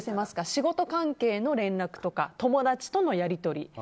仕事関係の連絡とか友達とのやり取り。